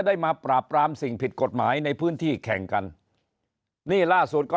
ได้มาปราบปรามสิ่งผิดกฎหมายในพื้นที่แข่งกันนี่ล่าสุดก็